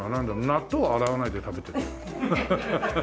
納豆は洗わないで食べてるよ。